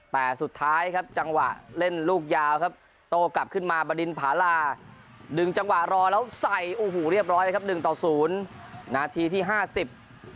แต่สุดท้ายครับจังหวะเล่นลูกยาวครับโต้กลับขึ้นมาบดินผาลาดึงจังหวะรอแล้วใส่โอ้โหเรียบร้อยเลยครับหนึ่งต่อศูนย์นาทีที่ห้าสิบ